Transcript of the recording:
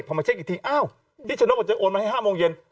พอมาเช็คอีกทีอ้าวพี่ชนกบอกจะโอนมาให้๕โมงเย็น